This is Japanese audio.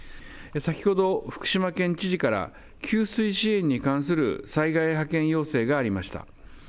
先ほど福島県知事から、給水支援に関する災害派遣要請がありました。